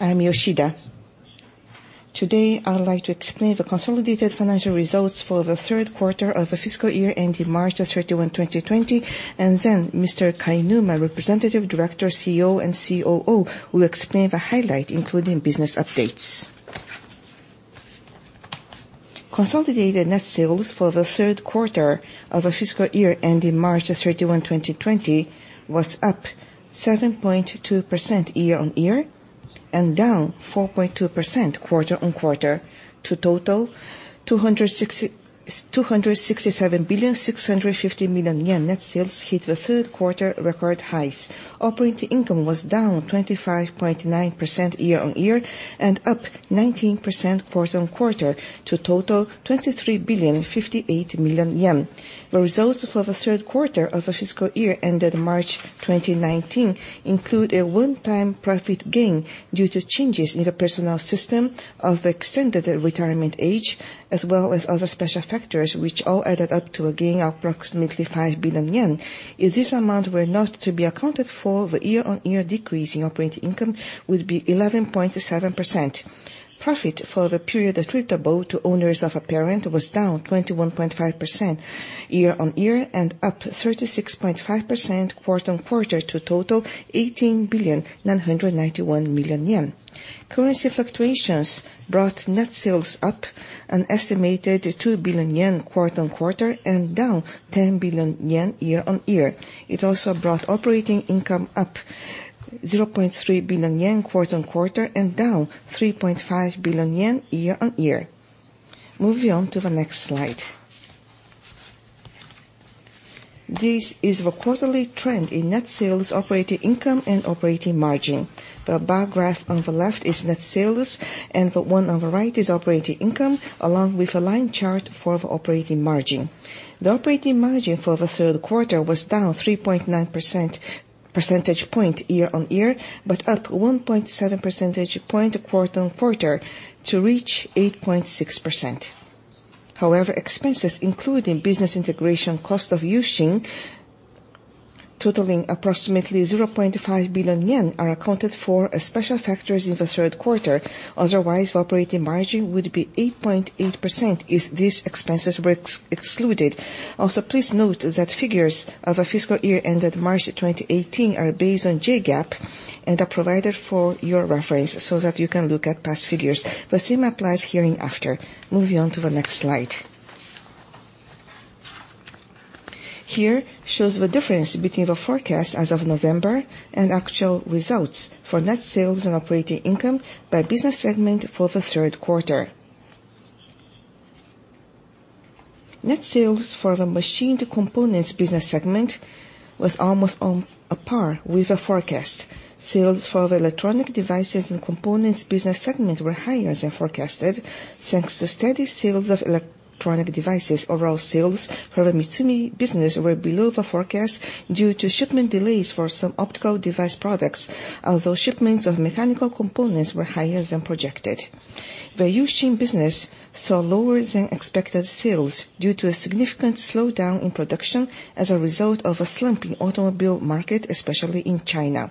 I'm Yoshida. Today, I'd like to explain the consolidated financial results for the third quarter of the fiscal year ending March 31, 2020. Mr. Kainuma, Representative Director, CEO, and COO, will explain the highlights, including business updates. Consolidated net sales for the third quarter of the fiscal year ending March 31, 2020, was up 7.2% year-on-year and down 4.2% quarter-on-quarter to a total 267,650 million yen. Net sales hit the third quarter record highs. Operating Income was down 25.9% year-on-year and up 19% quarter-on-quarter to a total 23,058 million yen. The results for the third quarter of the fiscal year ended March 2019 include a one-time profit gain due to changes in the personnel system of the extended retirement age, as well as other special factors, which all added up to a gain of approximately 5 billion yen. If this amount were not to be accounted for, the year-on-year decrease in operating income would be 11.7%. Profit for the period attributable to owners of a parent was down 21.5% year-on-year and up 36.5% quarter-on-quarter to a total 18,991 million yen. Currency fluctuations brought net sales up an estimated 2 billion yen quarter-on-quarter and down 10 billion yen year-on-year. It also brought operating income up 0.3 billion yen quarter-on-quarter and down 3.5 billion yen year-on-year. Moving on to the next slide. This is the quarterly trend in net sales, operating income, and Operating Margin. The bar graph on the left is net sales, and the one on the right is operating income, along with a line chart for the Operating Margin. The operating margin for the third quarter was down 3.9 percentage point year-on-year, but up 1.7 percentage point quarter-on-quarter to reach 8.6%. Expenses including business integration cost of U-Shin, totaling approximately 0.5 billion yen, are accounted for as special factors in the third quarter. Otherwise, the operating margin would be 8.8% if these expenses were excluded. Please note that figures of the fiscal year ended March 2018 are based on JGAAP and are provided for your reference so that you can look at past figures. The same applies hereafter. Moving on to the next slide. Here shows the difference between the forecast as of November and actual results for net sales and operating income by business segment for the third quarter. Net sales for the mechanical components business segment was almost on par with the forecast. Sales for the electronic devices and components business segment were higher than forecasted, thanks to steady sales of electronic devices. Overall sales for the MITSUMI business were below the forecast due to shipment delays for some optical device products. Although shipments of mechanical components were higher than projected. The U-Shin business saw lower than expected sales due to a significant slowdown in production as a result of a slump in automobile market, especially in China.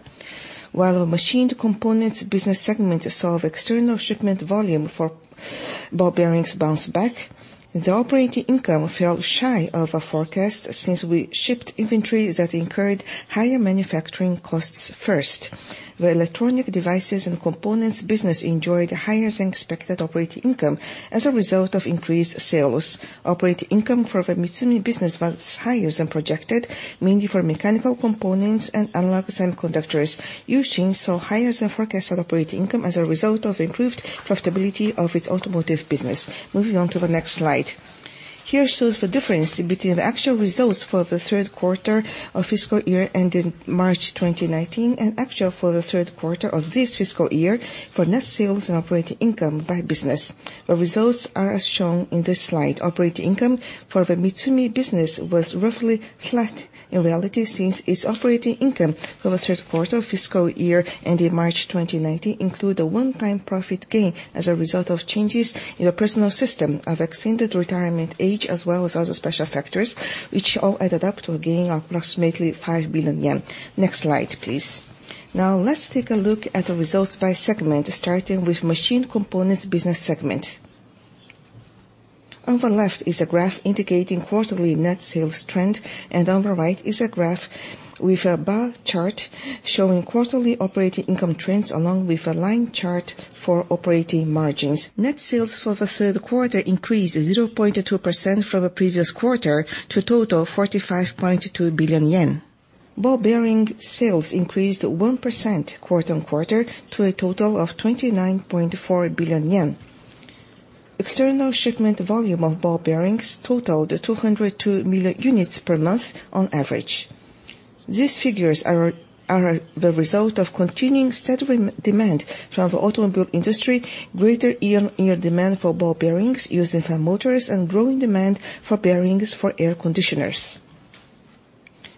While the mechanical components business segment saw the external shipment volume for ball bearings bounce back, the Operating income fell shy of a forecast since we shipped inventory that incurred higher manufacturing costs first. The electronic devices and components business enjoyed higher than expected Operating income as a result of increased sales. Operating income for the MITSUMI business was higher than projected, mainly for mechanical components and analog semiconductors. U-Shin saw higher than forecasted operating income as a result of improved profitability of its automotive business. Moving on to the next slide. Here shows the difference between the actual results for the third quarter of fiscal year ending March 2019 and actual for the third quarter of this fiscal year for net sales and operating income by business. The results are as shown in this slide. Operating income for the MITSUMI business was roughly flat in reality since its operating income for the third quarter fiscal year ending March 2019 include a one-time profit gain as a result of changes in the personnel system of extended retirement age, as well as other special factors, which all added up to a gain of approximately 5 billion yen. Next slide, please. Let's take a look at the results by segment, starting with mechanical components business segment. On the left is a graph indicating quarterly net sales trend, and on the right is a graph with a bar chart showing quarterly operating income trends, along with a line chart for operating margins. Net sales for the third quarter increased 0.2% from the previous quarter to a total of 45.2 billion yen. Ball bearing sales increased 1% quarter-on-quarter to a total of 29.4 billion yen. External shipment volume of ball bearings totaled 202 million units per month on average. These figures are the result of continuing steady demand from the automobile industry, greater year-on-year demand for ball bearings used in fan motors, and growing demand for bearings for air conditioners.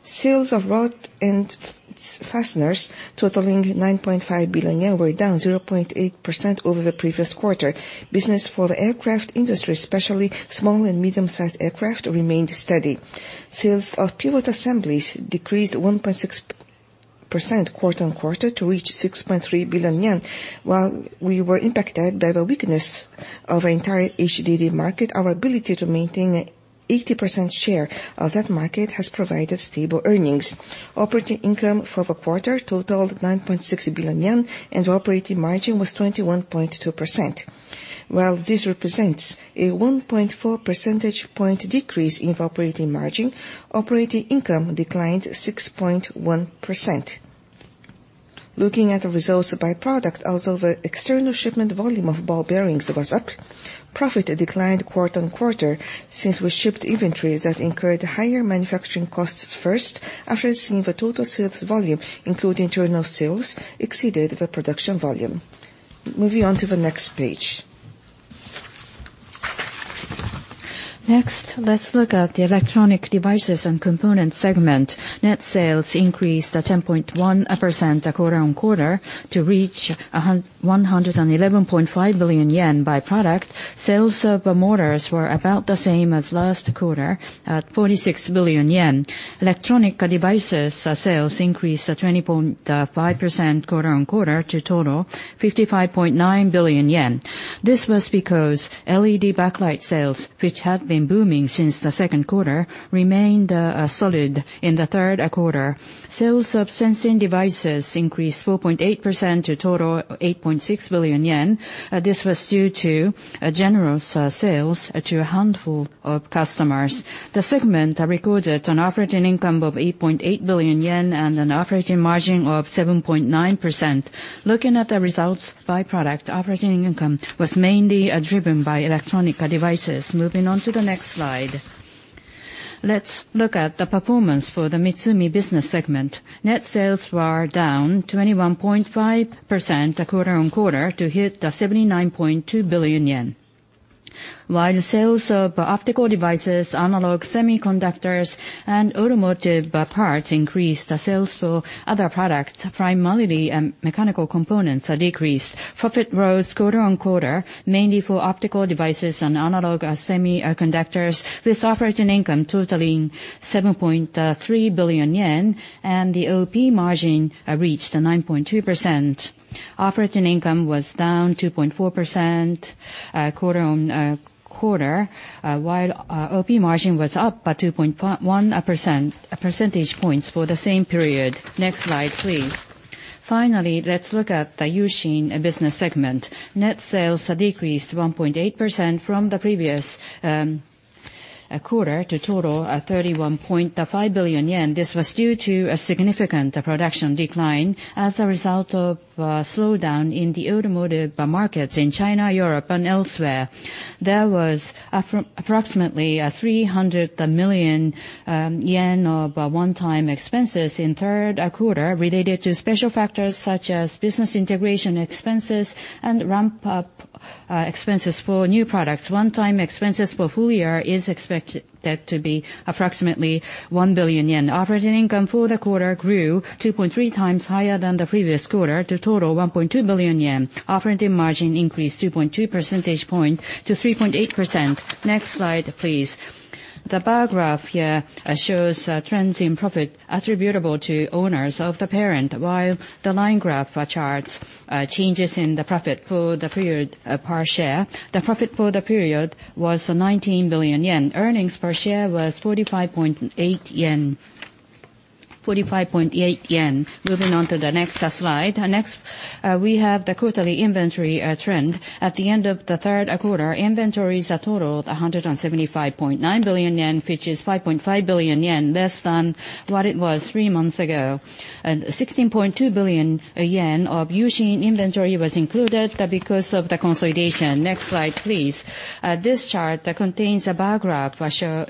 Sales of rod-ends and fasteners totaling 9.5 billion yen were down 0.8% over the previous quarter. Business for the aircraft industry, especially small and medium-sized aircraft, remained steady. Sales of pivot assemblies decreased 1.6% quarter-on-quarter to reach 6.3 billion yen. While we were impacted by the weakness of the entire HDD market, our ability to maintain 80% share of that market has provided stable earnings. Operating income for the quarter totaled 9.6 billion yen, and Operating Margin was 21.2%. While this represents a 1.4 percentage point decrease in Operating Margin, Operating income declined 6.1%. Looking at the results by product, also the external shipment volume of ball bearings was up. Profit declined quarter-on-quarter, since we shipped inventories that incurred higher manufacturing costs first, after seeing the total sales volume, including internal sales, exceeded the production volume. Moving on to the next page. Next, let's look at the Electronic Devices and Components segment. Net sales increased 10.1% quarter-on-quarter to reach 111.5 billion yen by product. Sales of motors were about the same as last quarter, at 46 billion yen. Electronic devices sales increased 20.5% quarter-on-quarter to total 55.9 billion yen. This was because LED backlight sales, which had been booming since the second quarter, remained solid in the third quarter. Sales of sensing devices increased 4.8% to total 8.6 billion yen. This was due to general sales to a handful of customers. The segment recorded an operating income of 8.8 billion yen and an Operating Margin of 7.9%. Looking at the results by product, operating income was mainly driven by electronic devices. Moving on to the next slide. Let's look at the performance for the MITSUMI business segment. Net sales were down 21.5% quarter-on-quarter to hit 79.2 billion yen. While the sales of optical devices, analog semiconductors, and automotive parts increased, the sales for other products, primarily mechanical components, decreased. Profit rose quarter-on-quarter, mainly for optical devices and analog semiconductors, with operating income totaling 7.3 billion yen, and the Operating Margin reached 9.2%. Operating income was down 2.4% quarter-on-quarter, while Operating Margin was up by 2.1 percentage points for the same period. Next slide, please. Finally, let's look at the U-Shin and business segment. Net sales decreased 1.8% from the previous quarter to total 31.5 billion yen. This was due to a significant production decline as a result of a slowdown in the automotive markets in China, Europe, and elsewhere. There was approximately 300 million yen of one-time expenses in third quarter related to special factors such as business integration expenses and ramp-up expenses for new products. One-time expenses for full year is expected to be approximately JPY 1 billion. Operating Income for the quarter grew 2.3 times higher than the previous quarter to total JPY 1.2 billion. Operating Margin increased 2.2 percentage point to 3.8%. Next slide, please. The bar graph here shows trends in profit attributable to owners of the parent, while the line graph charts changes in the profit for the period per share. The profit for the period was 19 billion yen. Earnings per share was 45.8 yen. Moving on to the next slide. Next, we have the quarterly inventory trend. At the end of the third quarter, inventories totaled 175.9 billion yen, which is 5.5 billion yen less than what it was three months ago. 16.2 billion yen of U-Shin inventory was included because of the consolidation. Next slide, please. This chart contains a bar graph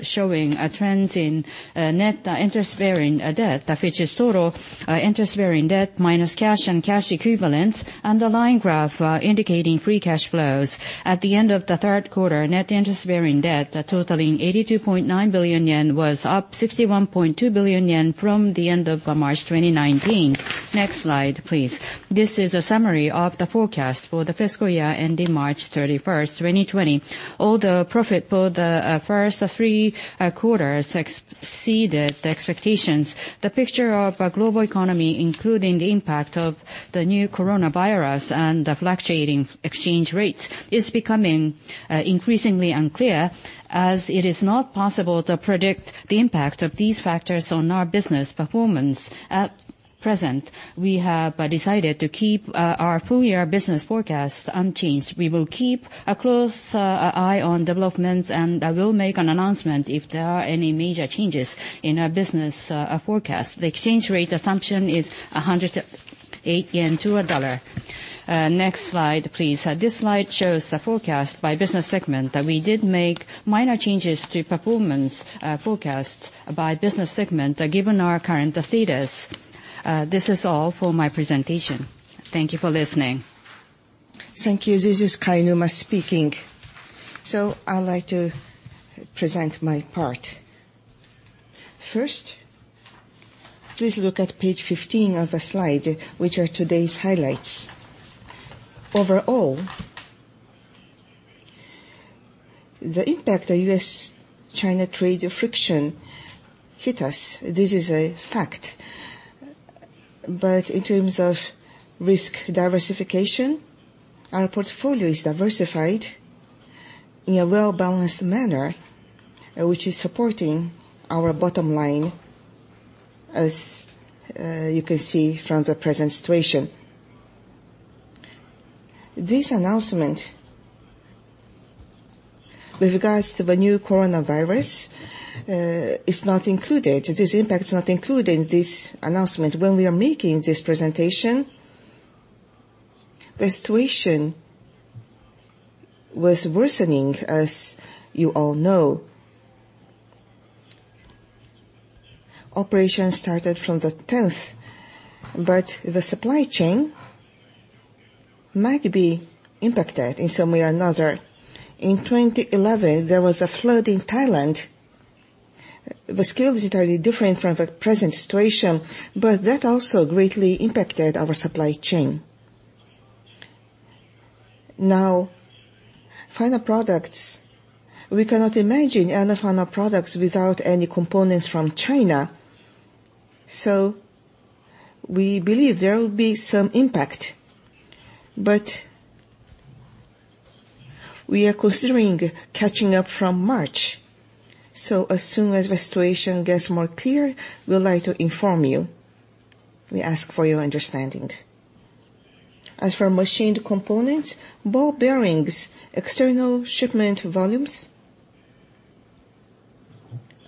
showing trends in net interest-bearing debt, which is total interest-bearing debt minus cash and cash equivalents, and the line graph indicating free cash flows. At the end of the third quarter, net interest-bearing debt totaling 82.9 billion yen was up 61.2 billion yen from the end of March 2019. Next slide, please. This is a summary of the forecast for the fiscal year ending March 31st, 2020. Although profit for the first three quarters exceeded the expectations, the picture of global economy, including the impact of the new coronavirus and the fluctuating exchange rates, is becoming increasingly unclear. As it is not possible to predict the impact of these factors on our business performance at present, we have decided to keep our full-year business forecast unchanged. We will keep a close eye on developments and will make an announcement if there are any major changes in our business forecast. The exchange rate assumption is 108 yen to USD 1. Next slide, please. This slide shows the forecast by business segment. We did make minor changes to performance forecasts by business segment, given our current status. This is all for my presentation. Thank you for listening. Thank you. This is Kainuma speaking. I'd like to present my part. First, please look at page 15 of the slide, which are today's highlights. Overall, the impact of U.S.-China trade friction hit us. This is a fact. In terms of risk diversification, our portfolio is diversified in a well-balanced manner, which is supporting our bottom line, as you can see from the present situation. This announcement with regards to the new coronavirus is not included. This impact is not included in this announcement. When we are making this presentation, the situation was worsening, as you all know. Operations started from the 10th, but the supply chain might be impacted in some way or another. In 2011, there was a flood in Thailand. The scale is entirely different from the present situation, but that also greatly impacted our supply chain. Now, final products, we cannot imagine any final products without any components from China. We believe there will be some impact. We are considering catching up from March. As soon as the situation gets more clear, we'd like to inform you. We ask for your understanding. As for mechanical components, ball bearings, external shipment volumes,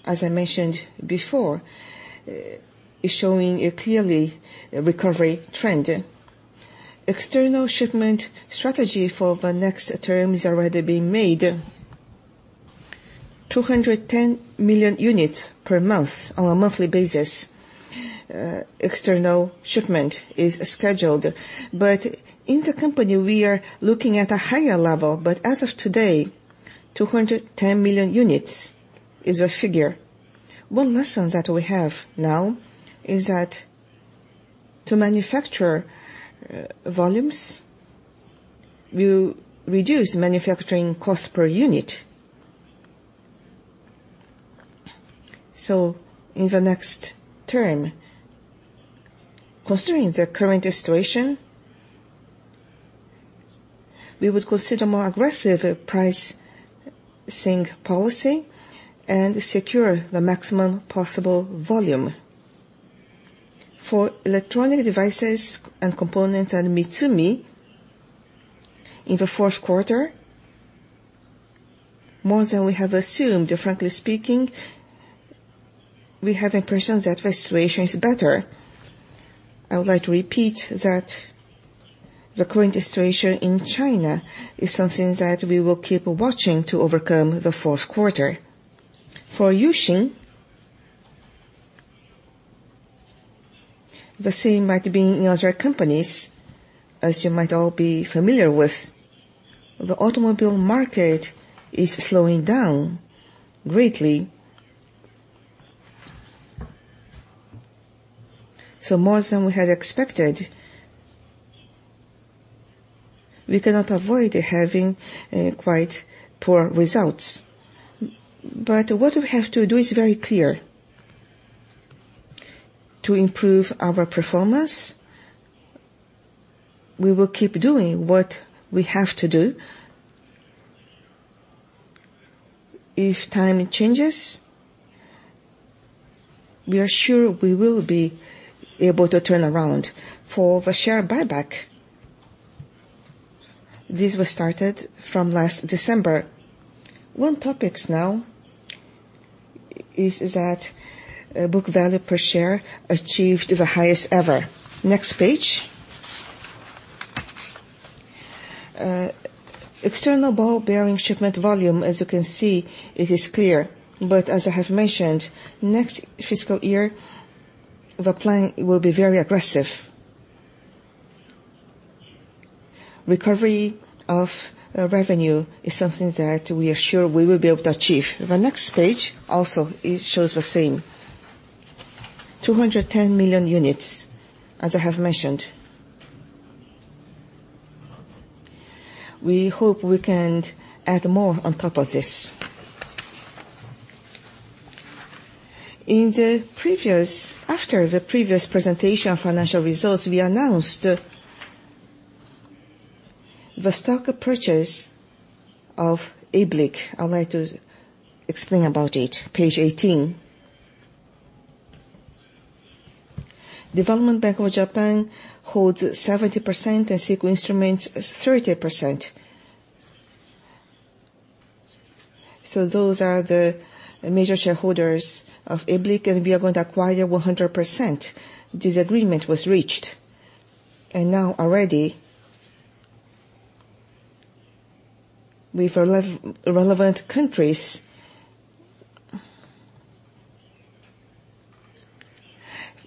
as I mentioned before, is showing a clearly recovery trend. External shipment strategy for the next term is already being made. 210 million units per month on a monthly basis. External shipment is scheduled. In the company, we are looking at a higher level. As of today, 210 million units is a figure. One lesson that we have now is that to manufacture volumes, we reduce manufacturing cost per unit. In the next term, considering the current situation, we would consider more aggressive pricing policy and secure the maximum possible volume. For electronic devices and components at MITSUMI, in the fourth quarter, more than we have assumed, frankly speaking, we have impression that the situation is better. I would like to repeat that the current situation in China is something that we will keep watching to overcome the fourth quarter. For U-Shin, the same might be in other companies. As you might all be familiar with, the automobile market is slowing down greatly. More than we had expected, we cannot avoid having quite poor results. What we have to do is very clear. To improve our performance, we will keep doing what we have to do. If time changes, we are sure we will be able to turn around. For the share buyback, this was started from last December. One topics now is that book value per share achieved the highest ever. next page. External ball bearing shipment volume, as you can see, it is clear. As I have mentioned, next fiscal year, the plan will be very aggressive. Recovery of revenue is something that we are sure we will be able to achieve. The next page also shows the same. 210 million units, as I have mentioned. We hope we can add more on top of this. After the previous presentation of financial results, we announced the stock purchase of ABLIC. I'd like to explain about it. page 18. Development Bank of Japan Inc. holds 70% and Seiko Instruments Inc. 30%. Those are the major shareholders of ABLIC, and we are going to acquire 100%. This agreement was reached. Now already, with relevant countries,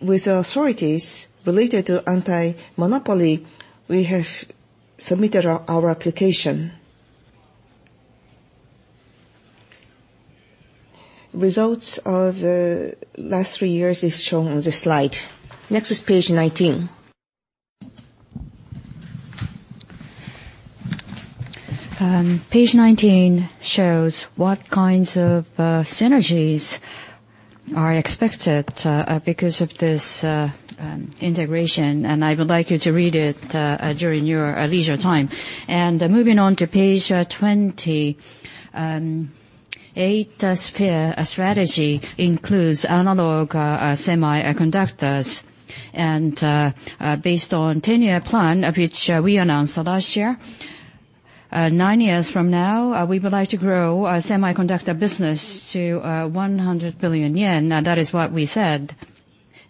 with the authorities related to anti-monopoly, we have submitted our application. Results of the last three years is shown on this slide. Next is page 19.Page 19 shows what kinds of synergies are expected because of this integration. I would like you to read it during your leisure time. Moving on to page 20, Eight Spears strategy includes analog semiconductors. Based on the 10-year plan, of which we announced last year, nine years from now, we would like to grow our semiconductor business to 100 billion yen. That is what we said.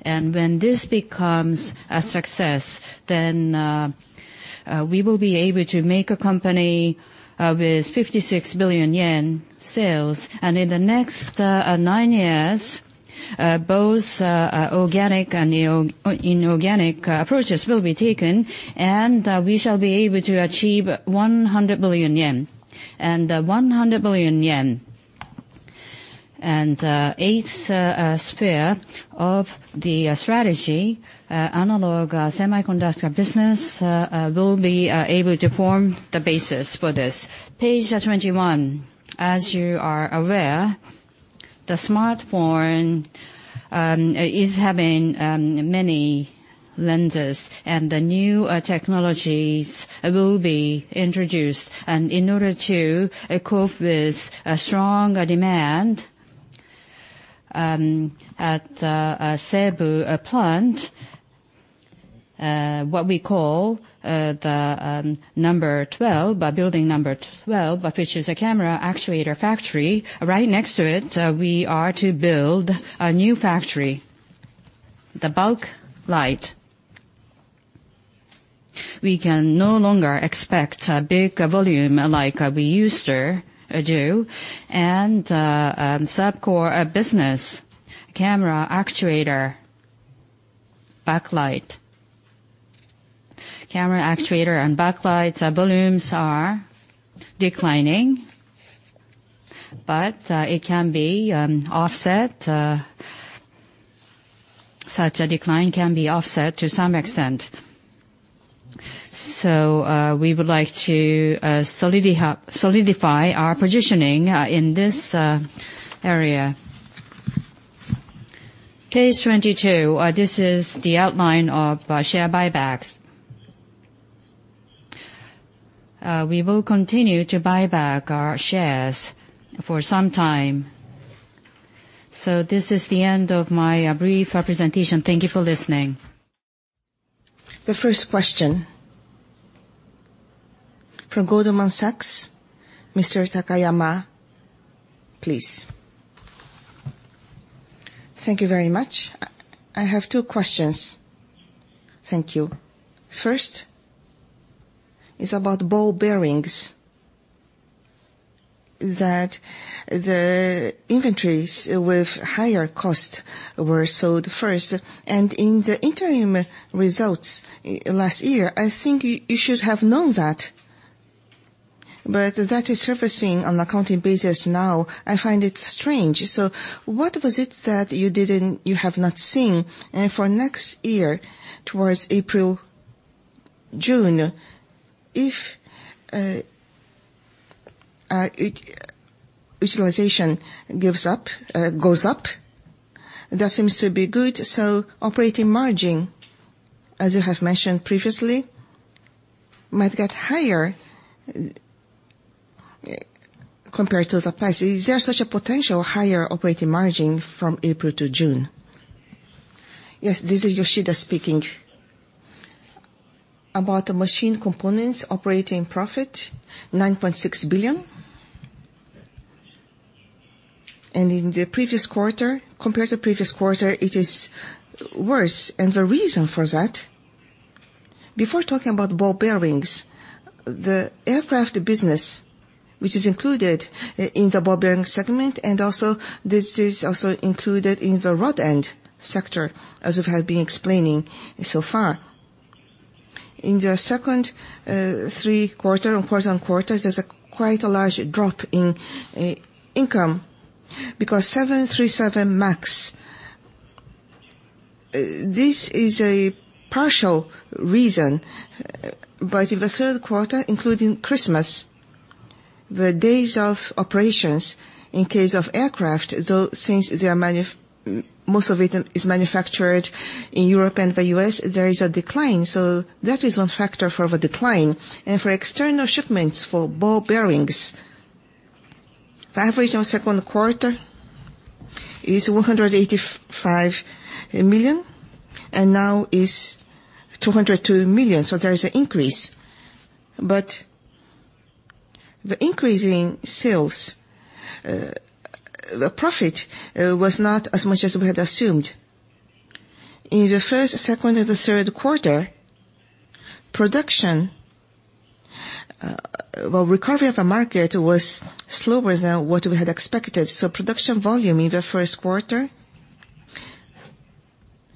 When this becomes a success, we will be able to make a company with 56 billion yen sales. In the next nine years, both organic and inorganic approaches will be taken, we shall be able to achieve 100 billion yen, 100 billion yen. Eight Spears of the strategy, analog semiconductor business will be able to form the basis for this. Page 21, as you are aware, the smartphone is having many lenses, the new technologies will be introduced. In order to cope with a strong demand at Cebu plant, what we call the building number 12, which is a camera actuator factory, right next to it, we are to build a new factory. The backlight, we can no longer expect a big volume like we used to do, sub-core business, camera actuator, backlight. Camera actuator and backlights volumes are declining, such a decline can be offset to some extent. We would like to solidify our positioning in this area. Page 22, this is the outline of share buybacks. We will continue to buy back our shares for some time. This is the end of my brief presentation. Thank you for listening. The first question, from Goldman Sachs, Mr. Takayama, please. Thank you very much. I have two questions. Thank you. First is about ball bearings, that the inventories with higher cost were sold first. In the interim results last year, I think you should have known that. That is surfacing on accounting basis now, I find it strange. What was it that you have not seen? For next year, towards April, June, if utilization goes up, that seems to be good. Operating Margin, as you have mentioned previously, might get higher compared to the past. Is there such a potential higher Operating Margin from April to June? Yes, this is Yoshida speaking. About the mechanical components Operating Profit, 9.6 billion. Compared to previous quarter, it is worse. The reason for that, before talking about ball bearings, the aircraft business, which is included in the ball bearing segment, and this is also included in the rod-end sector, as we have been explaining so far. In the second quarter on quarter, there's quite a large drop in income, because 737 MAX. This is a partial reason, but in the third quarter, including Christmas, the days of operations in case of aircraft, though since most of it is manufactured in Europe and the U.S., there is a decline. That is one factor for the decline. For external shipments for ball bearings, the average on second quarter is 185 million, and now is 202 million, so there is an increase. The increase in sales, the profit was not as much as we had assumed. In the first, second, and the third quarter, recovery of the market was slower than what we had expected. Production volume in the first quarter,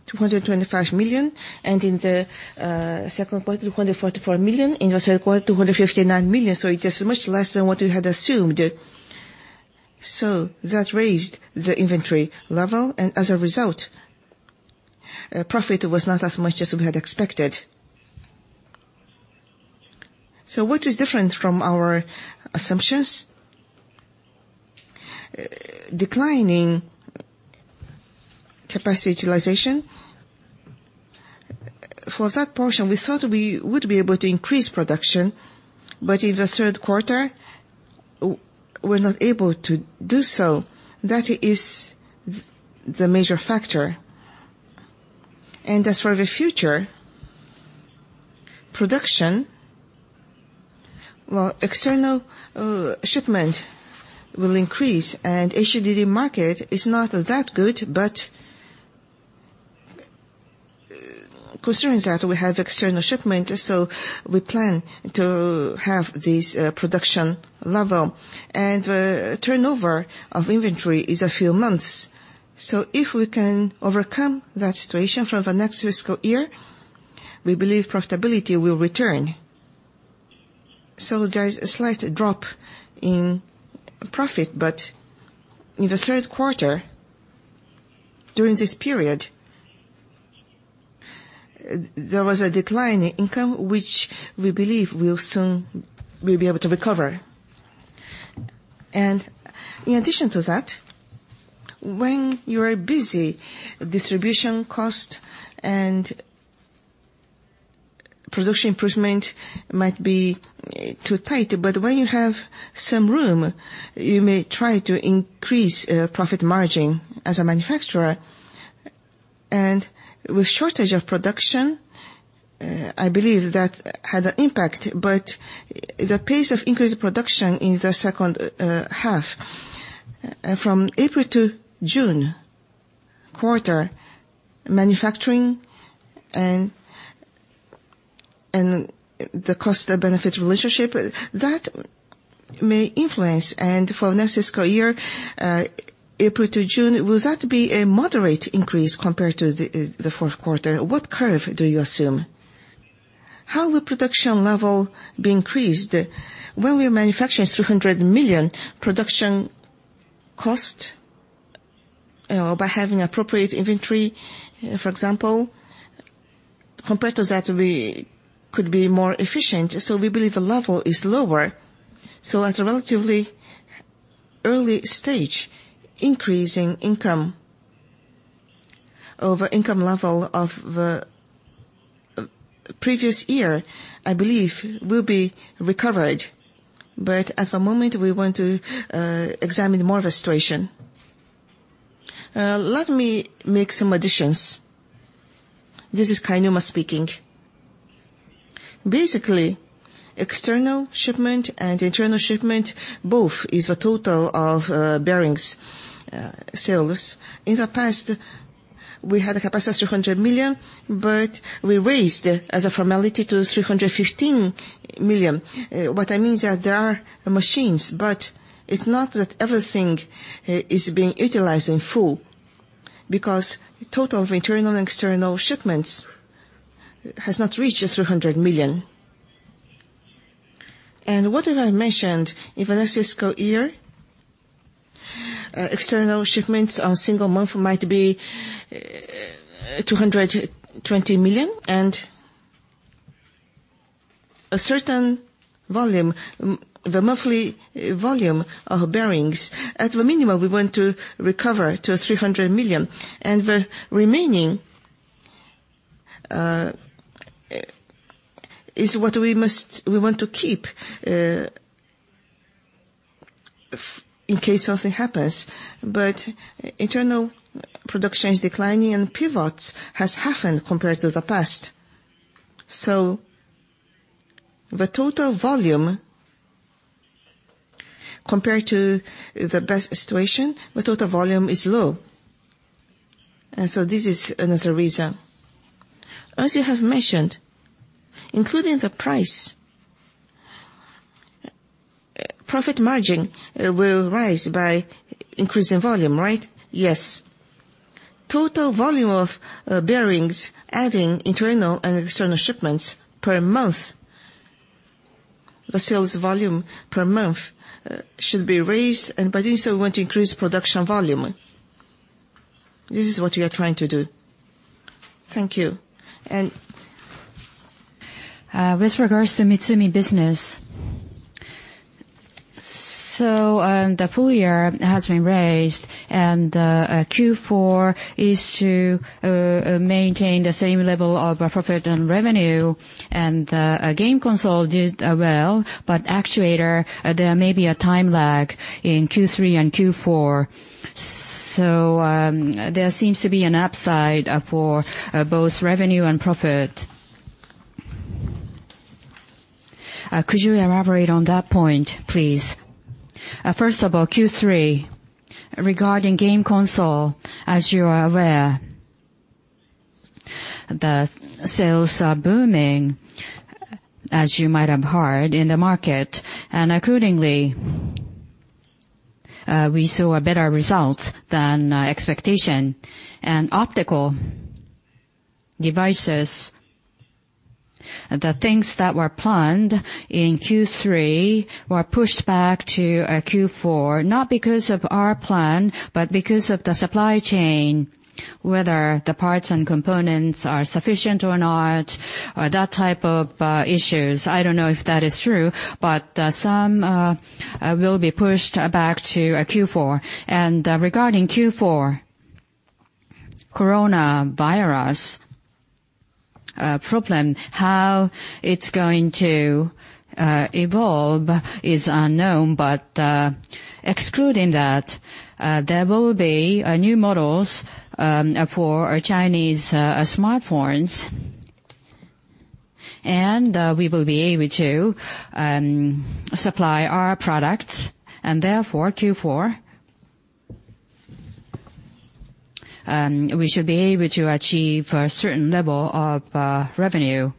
225 million. In the second quarter, 244 million. In the third quarter, 259 million. It is much less than what we had assumed. That raised the inventory level, and as a result, profit was not as much as we had expected. What is different from our assumptions? Declining capacity utilization. For that portion, we thought we would be able to increase production, but in the third quarter, we're not able to do so. That is the major factor. As for the future production, well, external shipment will increase and HDD market is not that good, but considering that we have external shipment, we plan to have this production level. The turnover of inventory is a few months. If we can overcome that situation from the next fiscal year, we believe profitability will return. There is a slight drop in profit, but in the third quarter, during this period, there was a decline in income, which we believe we soon will be able to recover. In addition to that, when you are busy, distribution cost and production improvement might be too tight. When you have some room, you may try to increase Operating Margin as a manufacturer. With shortage of production, I believe that had an impact. The pace of increased production in the second half, from April to June quarter, manufacturing and the cost-benefit relationship, that may influence. For next fiscal year, April to June, will that be a moderate increase compared to the fourth quarter? What curve do you assume? How will production level be increased? When we are manufacturing 300 million, production cost, by having appropriate inventory, for example, compared to that, we could be more efficient. We believe the level is lower. At a relatively early stage, increase in income over income level of the previous year, I believe, will be recovered. At the moment, we want to examine more of the situation. Let me make some additions. This is Kainuma speaking. Basically, external shipment and internal shipment, both is the total of bearings sales. In the past, we had a capacity 300 million, but we raised as a formality to 315 million. What I mean is that there are machines, but it's not that everything is being utilized in full, because total of internal and external shipments has not reached 300 million. What have I mentioned, in the fiscal year, external shipments on a single month might be 220 million. A certain volume, the monthly volume of bearings, at the minimum, we want to recover to 300 million. The remaining is what we want to keep in case something happens. Internal production is declining, and pivots has happened compared to the past. The total volume, compared to the best situation, the total volume is low. This is another reason. As you have mentioned, including the price, profit margin will rise by increasing volume, right? Yes. Total volume of bearings, adding internal and external shipments per month, the sales volume per month should be raised, and by doing so, we want to increase production volume. This is what we are trying to do. Thank you. With regards to MITSUMI business, the full year has been raised, and Q4 is to maintain the same level of profit and revenue. The game console did well, but camera actuator, there may be a time lag in Q3 and Q4. There seems to be an upside for both revenue and profit. Could you elaborate on that point, please? First of all, Q3, regarding game console, as you are aware, the sales are booming, as you might have heard in the market. Accordingly, we saw a better result than expectation. Optical devices. The things that were planned in Q3 were pushed back to Q4, not because of our plan, but because of the supply chain, whether the parts and components are sufficient or not, or that type of issues. I don't know if that is true, but some will be pushed back to Q4. Regarding Q4, coronavirus problem, how it's going to evolve is unknown, but excluding that, there will be new models for our Chinese smartphones, and we will be able to supply our products. Therefore, Q4, we should be able to achieve a certain level of revenue.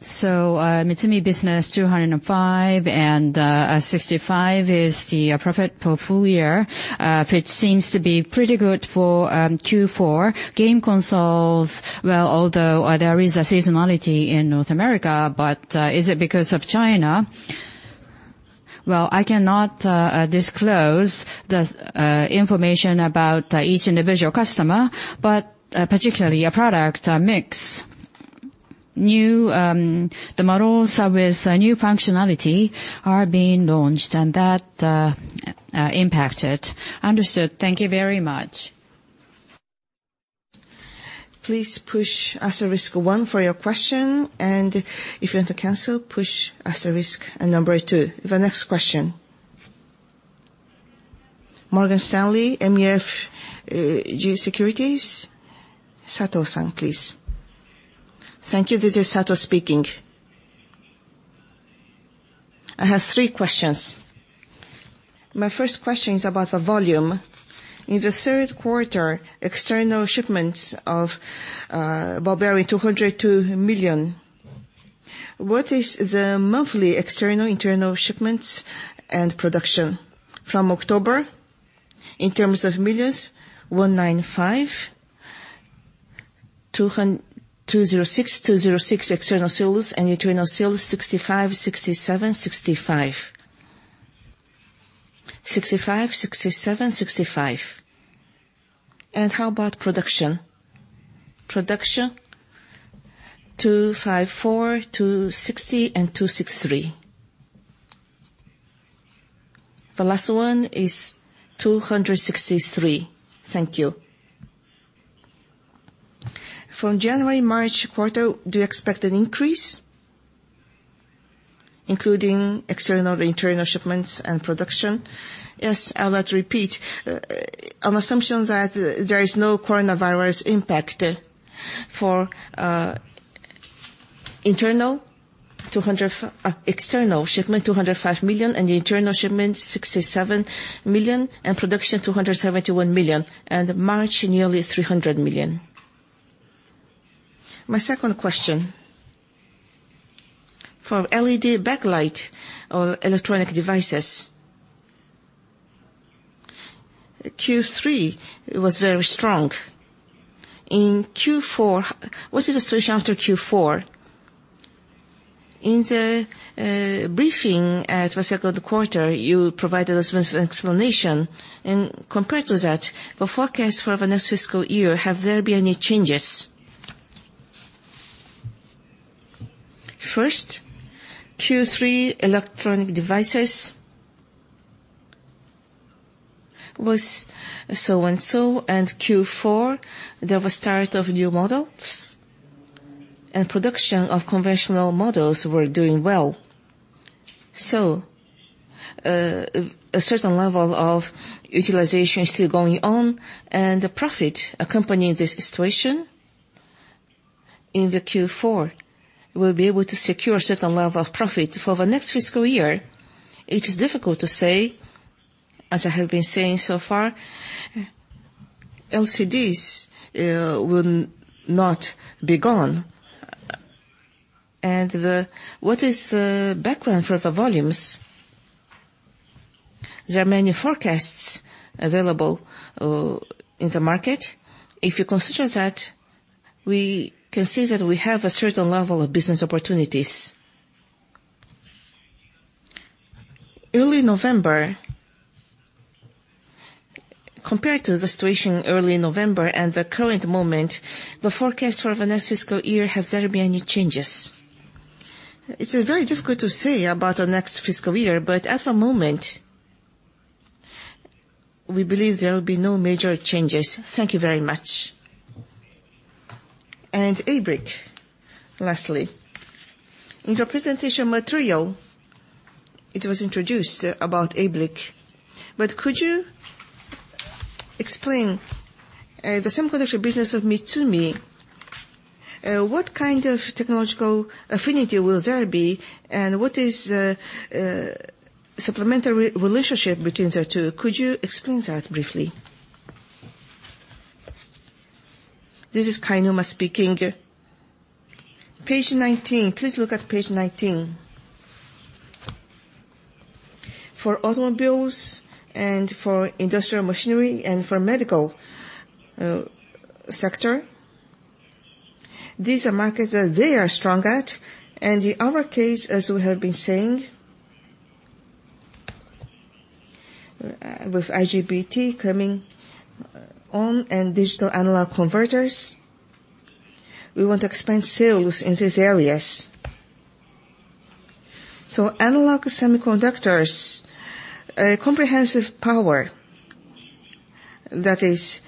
MITSUMI business 205 and 65 is the profit for full year, which seems to be pretty good for Q4 game consoles, although there is a seasonality in North America. Is it because of China? I cannot disclose the information about each individual customer, but particularly product mix. The models with new functionality are being launched and that impacted. Understood. Thank you very much. Please push asterisk one for your question, and if you want to cancel, push asterisk and number two. The next question. Morgan Stanley, MUFG Securities. Sato-san, please. Thank you. This is Sato speaking. I have three questions. My first question is about the volume. In the third quarter, external shipments of about 202 million. What is the monthly external-internal shipments and production from October in terms of millions? 195, 206 external sales and internal sales 65, 67, 65. 65, 67, 65. How about production? Production, 254, 260 and 263. The last one is 263. Thank you. January, March quarter, do you expect an increase, including external and internal shipments and production? Yes, I'll repeat. On assumption that there is no coronavirus impact, for external shipment, 205 million and internal shipment, 67 million, and production 271 million. March, nearly 300 million. My second question, for LED backlight or electronic devices, Q3 was very strong. In Q4, what's the situation after Q4? In the briefing at the second quarter, you provided us with an explanation, compared to that, the forecast for the next fiscal year, have there been any changes? First, Q3 electronic devices was so and so, Q4, there was start of new models and production of conventional models were doing well. A certain level of utilization is still going on the profit accompanying this situation in the Q4, we'll be able to secure certain level of profit. For the next fiscal year, it is difficult to say, as I have been saying so far, LCDs will not be gone. What is the background for the volumes? There are many forecasts available in the market. If you consider that, we can see that we have a certain level of business opportunities. Early November, compared to the situation early November and the current moment, the forecast for the next fiscal year, has there been any changes? It's very difficult to say about the next fiscal year, but at the moment, we believe there will be no major changes. Thank you very much. ABLIC lastly. In your presentation material, it was introduced about ABLIC. Could you explain the semiconductor business of MITSUMI, what kind of technological affinity will there be and what is the supplementary relationship between the two? Could you explain that briefly? This is Kainuma speaking. Page 19, please look at page 19. For automobiles, for industrial machinery, for medical sector. These are markets that they are strong at. In our case, as we have been saying, with IGBT coming on and digital-to-analog converters, we want to expand sales in these areas. Analog semiconductors, comprehensive power, that is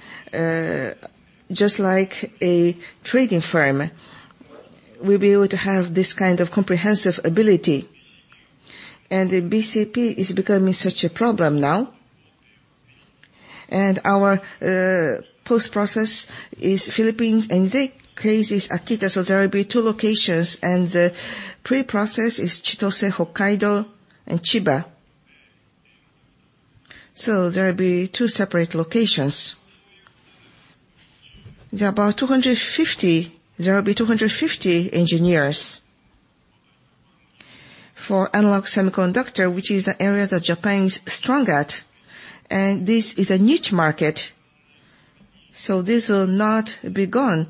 just like a trading firm, we will be able to have this kind of comprehensive ability. The BCP is becoming such a problem now. Our post-process is Philippines, their case is Akita, so there will be two locations. The pre-process is Chitose, Hokkaido and Chiba. There will be two separate locations. There will be 250 engineers for analog semiconductor, which is an area that Japan is strong at. This is a niche market, so this will not be gone,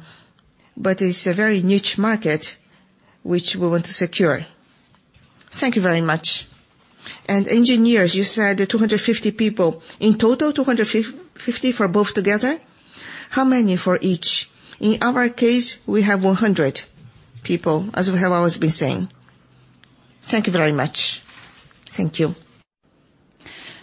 but it's a very niche market which we want to secure. Thank you very much. Engineers, you said 250 people. In total, 250 for both together? How many for each? In our case, we have 100 people, as we have always been saying. Thank you very much. Thank you.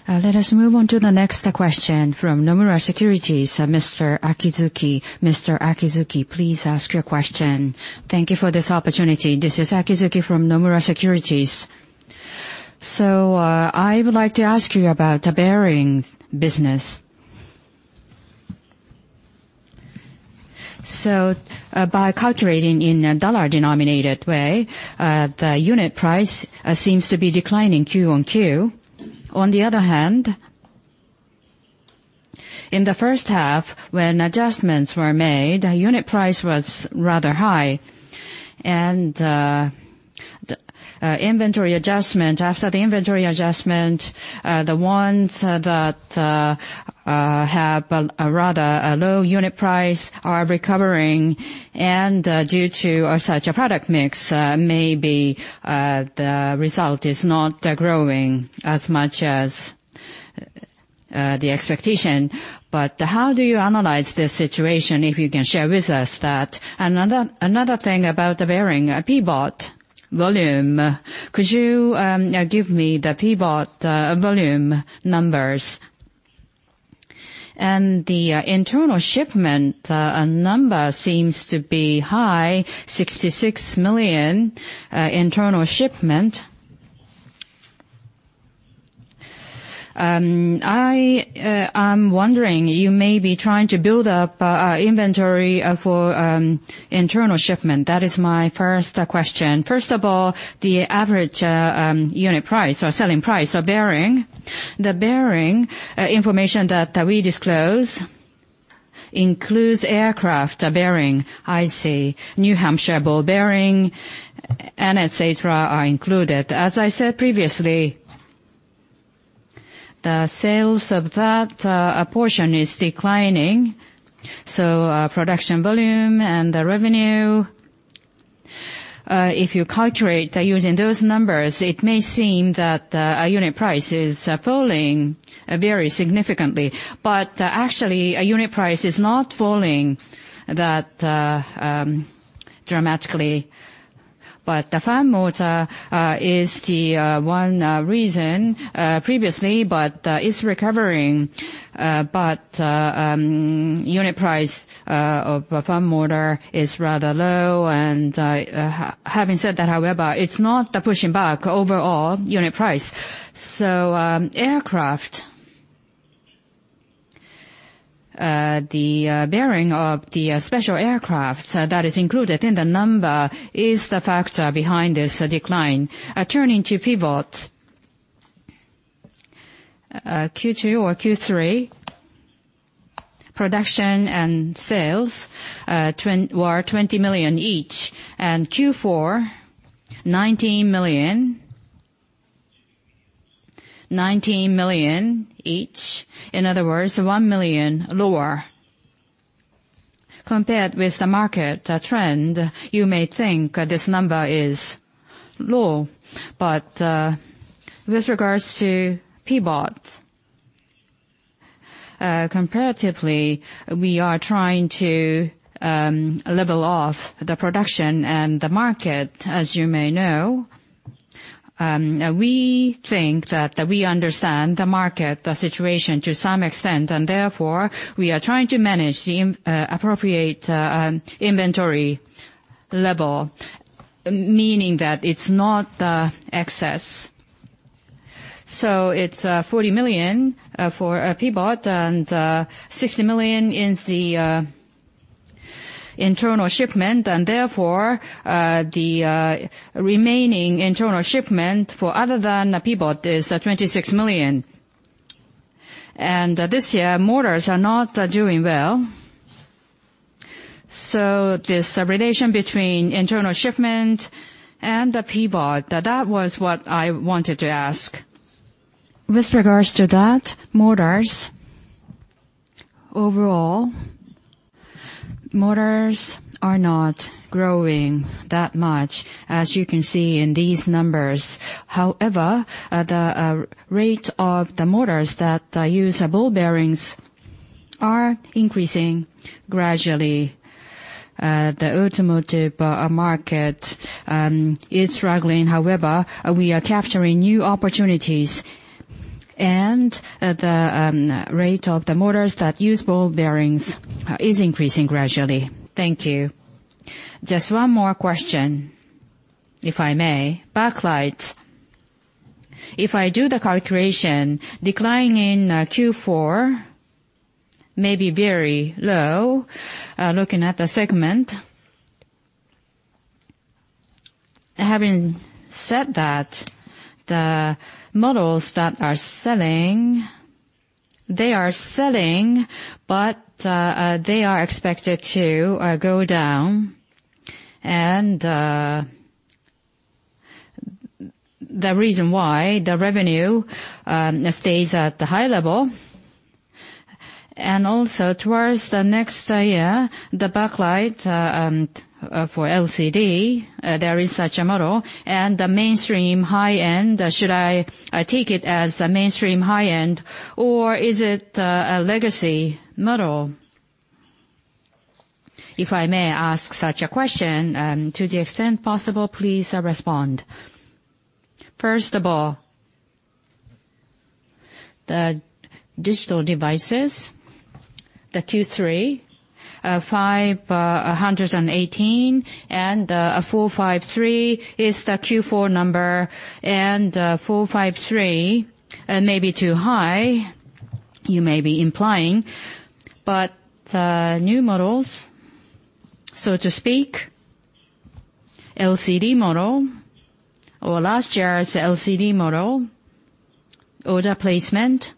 Let us move on to the next question from Nomura Securities, Mr. Akizuki. Mr. Akizuki, please ask your question. Thank you for this opportunity. This is Akizuki from Nomura Securities. I would like to ask you about the bearings business. By calculating in a dollar-denominated way, the unit price seems to be declining Q on Q. On the other hand, in the first half, when adjustments were made, the unit price was rather high. After the inventory adjustment, the ones that have a rather low unit price are recovering. Due to such a product mix, maybe the result is not growing as much as the expectation. How do you analyze this situation, if you can share with us that? Another thing about the bearing, pivot volume, could you give me the pivot volume numbers? The internal shipment number seems to be high, 66 million internal shipment. I am wondering, you may be trying to build up inventory for internal shipment. That is my first question. First of all, the average unit price or selling price of bearing. The bearing information that we disclose includes aircraft bearing, IC, New Hampshire Ball Bearings, and et cetera are included. As I said previously, the sales of that portion is declining. Production volume and the revenue, if you calculate using those numbers, it may seem that unit price is falling very significantly. Actually, unit price is not falling that dramatically. The fan motor is the one reason previously, but it's recovering. Unit price of a fan motor is rather low. Having said that, however, it's not pushing back overall unit price. Aircraft, the bearing of the special aircraft that is included in the number is the factor behind this decline. Turning to pivot, Q2 or Q3, production and sales were 20 million each. Q4, 19 million each. In other words, 1 million lower. Compared with the market trend, you may think this number is low. With regards to pivot, comparatively, we are trying to level off the production and the market, as you may know. We think that we understand the market, the situation to some extent, and therefore, we are trying to manage the appropriate inventory level, meaning that it's not excess. It's 40 million for pivot, and 60 million is the internal shipment, and therefore, the remaining internal shipment for other than pivot is 26 million. This year, motors are not doing well. This relation between internal shipment and the pivot. That was what I wanted to ask. With regards to that, motors. Overall, motors are not growing that much, as you can see in these numbers. However, the rate of the motors that use ball bearings are increasing gradually. The automotive market is struggling, however, we are capturing new opportunities, and the rate of the motors that use ball bearings is increasing gradually. Thank you. Just one more question, if I may. Backlights. If I do the calculation, decline in Q4 may be very low, looking at the segment. Having said that, the models that are selling, they are selling, but they are expected to go down, and the reason why the revenue stays at the high level, and also towards the next year, the backlight for LCD, there is such a model, and the mainstream high-end. Should I take it as a mainstream high-end, or is it a legacy model? If I may ask such a question, to the extent possible, please respond. First of all, the digital devices, the Q3 518, and 453 is the Q4 number. 453 may be too high, you may be implying, but the new models, so to speak, LCD model, or last year's LCD model, order placement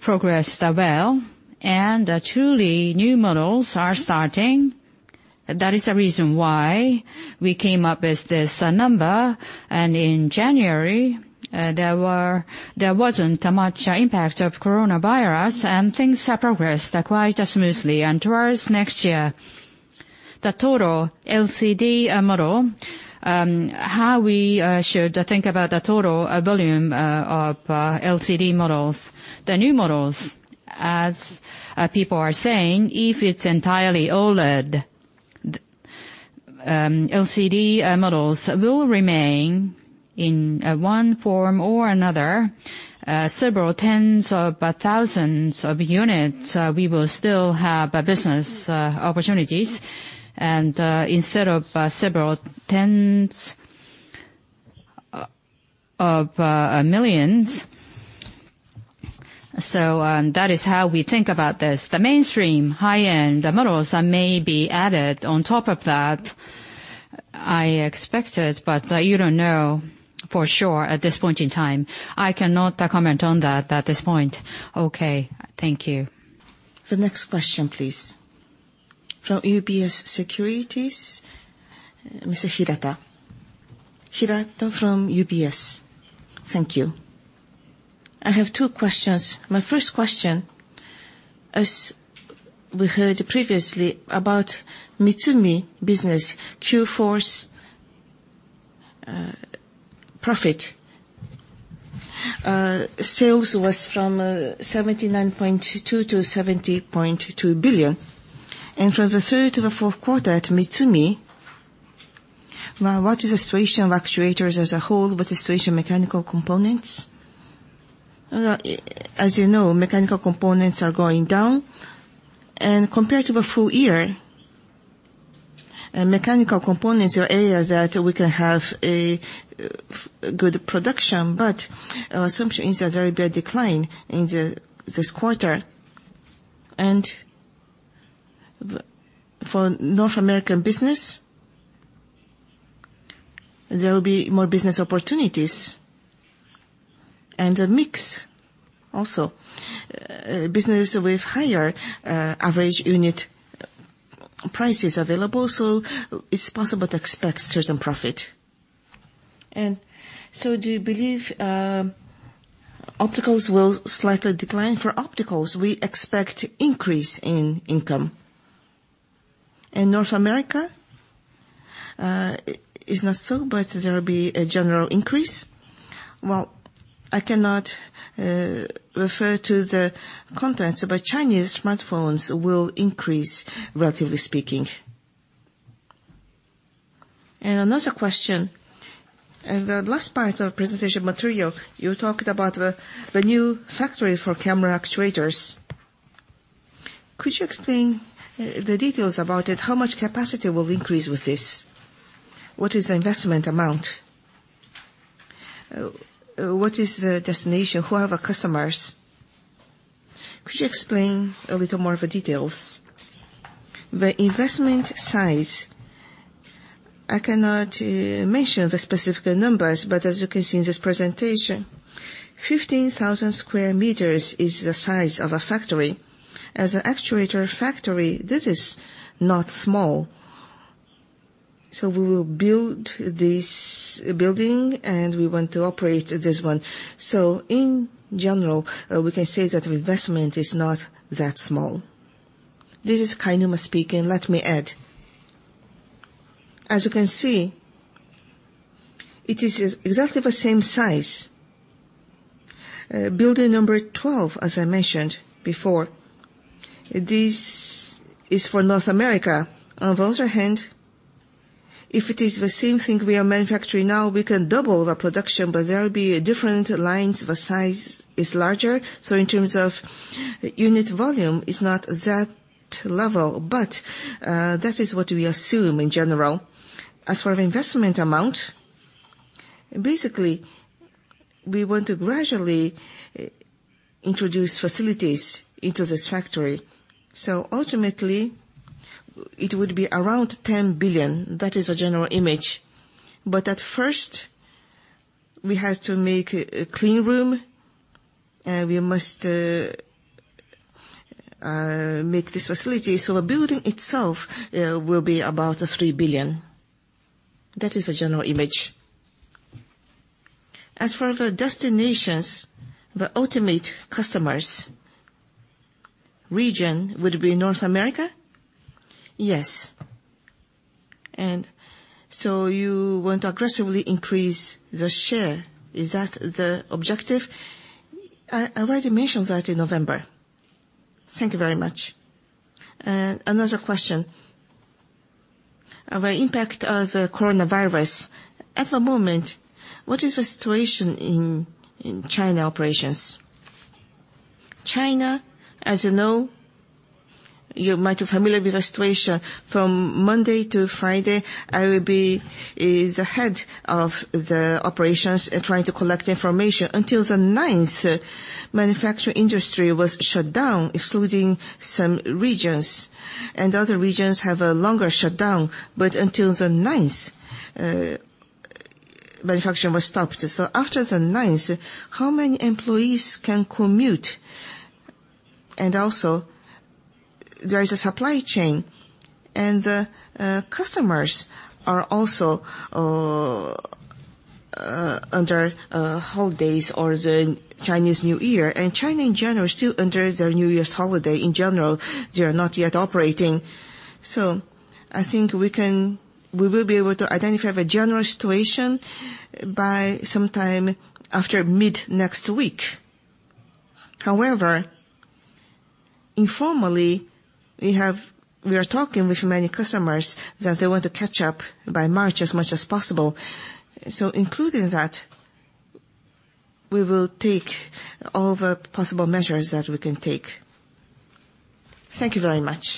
progressed well, and truly new models are starting. That is the reason why we came up with this number. In January, there wasn't much impact of coronavirus, and things have progressed quite smoothly. Towards next year, the total LCD model, how we should think about the total volume of LCD models. The new models, as people are saying, if it's entirely OLED, LCD models will remain in one form or another. Several tens of thousands of units, we will still have business opportunities, and instead of several tens of millions. That is how we think about this. The mainstream high-end models may be added on top of that, I expect it, but you don't know for sure at this point in time. I cannot comment on that at this point. Okay. Thank you. The next question, please. From UBS Securities, Mr. Hirata. Hirata from UBS. Thank you. I have two questions. My first question, as we heard previously about MITSUMI business, Q4's profit. Sales was from 79.2 billion-70.2 billion. From the third to the fourth quarter at MITSUMI, what is the situation of actuators as a whole? What is the situation of mechanical components? As you know, mechanical components are going down. Compared to the full year, mechanical components are areas that we can have a good production, but our assumption is there will be a decline in this quarter. For North American business, there will be more business opportunities. The mix also, business with higher average unit price is available, so it's possible to expect certain profit. Do you believe opticals will slightly decline? For opticals, we expect increase in income. In North America? It's not so, but there will be a general increase. I cannot refer to the contents. Chinese smartphones will increase, relatively speaking. Another question. In the last part of presentation material, you talked about the new factory for camera actuators. Could you explain the details about it? How much capacity will increase with this? What is the investment amount? What is the destination? Who are the customers? Could you explain a little more of the details? The investment size. I cannot mention the specific numbers, as you can see in this presentation, 15,000 sq m is the size of a factory. As an actuator factory, this is not small. We will build this building, and we want to operate this one. In general, we can say that the investment is not that small. This is Kainuma speaking. Let me add. As you can see, it is exactly the same size. Building number 12, as I mentioned before, this is for North America. On the other hand, if it is the same thing we are manufacturing now, we can double the production, but there will be different lines. The size is larger, so in terms of unit volume, it's not that level. That is what we assume in general. As for the investment amount, basically, we want to gradually introduce facilities into this factory. Ultimately, it would be around 10 billion. That is the general image. At first, we have to make a clean room, and we must make this facility. The building itself will be about 3 billion. That is the general image. As for the destinations, the ultimate customers, region would be North America? Yes. You want to aggressively increase the share. Is that the objective? I already mentioned that in November. Thank you very much. Another question. The impact of the coronavirus. At the moment, what is the situation in China operations? China, as you know, you might be familiar with the situation. From Monday to Friday, I will be the head of the operations trying to collect information. Until the 9th, manufacturing industry was shut down, excluding some regions, and other regions have a longer shutdown. Until the 9th, manufacturing was stopped. After the 9th, how many employees can commute? Also, there is a supply chain, and the customers are also under holidays or the Chinese New Year. China, in general, is still under their New Year's holiday. In general, they are not yet operating. I think we will be able to identify the general situation by sometime after mid-next week. However, informally, we are talking with many customers that they want to catch up by March as much as possible. Including that, we will take all the possible measures that we can take. Thank you very much.